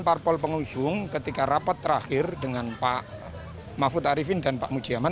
parpol pengusung ketika rapat terakhir dengan pak mahfud arifin dan pak mujiaman